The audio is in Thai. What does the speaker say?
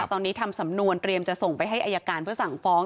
ตอนนี้ทำสำนวนเตรียมจะส่งไปให้อายการเพื่อสั่งฟ้อง